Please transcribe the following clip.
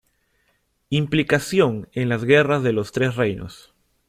Implicación en las Guerras de los Tres Reinos.